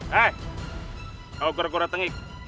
hei kau gora gora tengik